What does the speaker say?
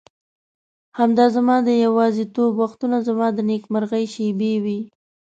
همدا زما د یوازیتوب وختونه زما د نېکمرغۍ شېبې وې.